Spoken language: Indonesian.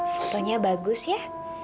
fotonya bagus ya